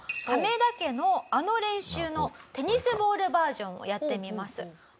亀田家のあの練習のテニスボールバージョンをやってみます。